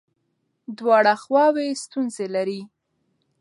دواړه خواوې ستونزې لري.